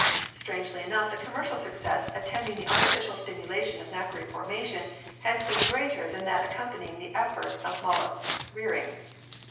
Strangely enough the commercial success attending the artificial stimulation of nacre formation has been greater than that accompanying the efforts of mollusc rearing.